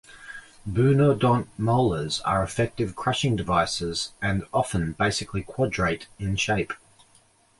Bunodont molars are effective crushing devices and often basically quadrate in shape.